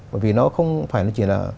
bởi vì nó không phải chỉ là